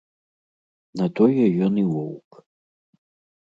На тое ён і воўк!